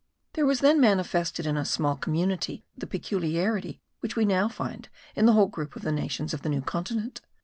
There was then manifested in a small community the peculiarity which we now find in the whole group of the nations of the New Continent.